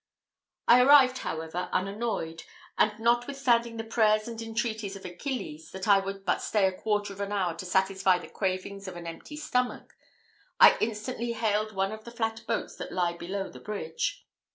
I arrived, however, unannoyed; and notwithstanding the prayers and entreaties of Achilles, that I would but stay a quarter of an hour to satisfy the cravings of an empty stomach, I instantly haled one of the flat boats that lie below the bridge.